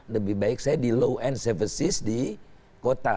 lebih baik saya di low end services di kota